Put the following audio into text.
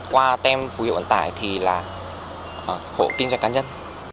qua tem phù hiệu ẩn tải thì là khổ kinh doanh cá nhân